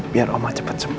biar oma cepet sembuh